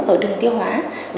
ở đường tiêu hóa